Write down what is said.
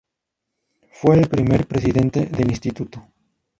Fue el primer presidente del instituto.